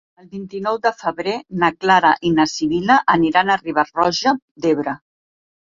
El vint-i-nou de febrer na Clara i na Sibil·la aniran a Riba-roja d'Ebre.